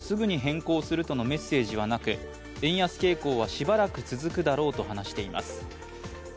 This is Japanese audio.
市場関係者は日銀が金融政策をすぐに変更するとのメッセージはなく円安傾向はしばらく続くだろうと話しています。